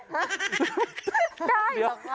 ได้หรือเปล่า